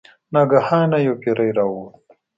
ناګهانه یو پیری راووت.